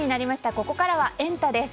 ここからはエンタ！です。